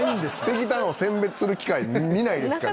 石炭を選別する機械見ないですから。